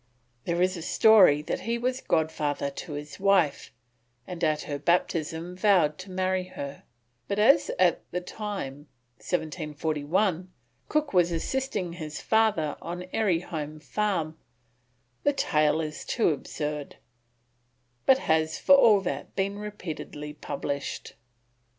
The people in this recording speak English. There is a story that he was godfather to his wife, and at her baptism vowed to marry her, but as at that time, 1741, Cook was assisting his father on Airy Holme Farm, the tale is too absurd, but has for all that been repeatedly published.